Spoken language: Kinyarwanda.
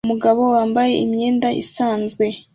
Umugabo wambaye imyenda isanzwe